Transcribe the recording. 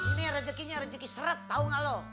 ini rejekinya rejeki seret tau gak lo